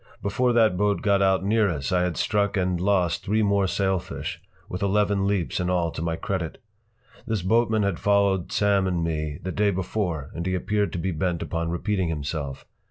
Before that boat got out near us I had struck and lost three more sailfish, with eleven leaps in all to my credit. This boatman had followed Sam and me the day before and he appeared to be bent upon repeating himself.